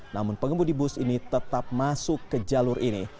namun pengemudi bus ini tetap masuk ke jalur ini